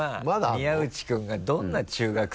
宮内君がどんな中学生。